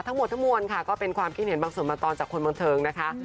ทั้งหมดทั้งมวลค่ะก็เป็นความคิดเห็นบางส่วนบางตอนจากคนบันเทิงนะคะ